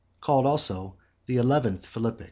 CALLED ALSO THE TWELFTH PHILIPPIC.